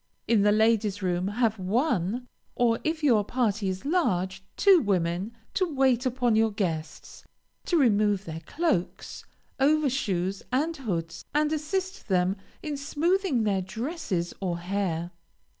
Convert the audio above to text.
In the ladies' room, have one, or if your party is large, two women to wait upon your guests; to remove their cloaks, overshoes, and hoods, and assist them in smoothing their dresses or hair.